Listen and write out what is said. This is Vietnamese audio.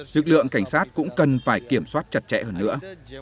lực lượng cảnh sát cũng cần phải kiểm soát chặt chẽ hơn nữa